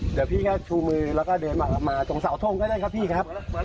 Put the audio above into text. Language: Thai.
เดี๋ยวพี่ชูมือเราก็เดินมาหลังตรงเสาทรงก็ได้ครับพี่ค่ะ